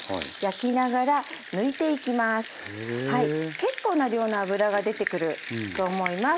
結構な量の脂が出てくると思います。